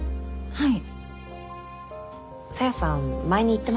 はい。